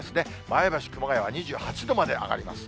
前橋、熊谷は２８度まで上がります。